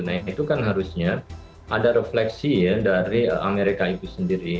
nah itu kan harusnya ada refleksi ya dari amerika itu sendiri